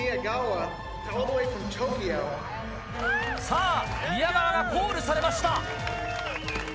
さぁ宮川がコールされました！